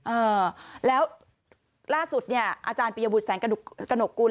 เอ่อแล้วล่าสุดเนี่ยอาจารย์ปียบุตรแสงกระหนกกุล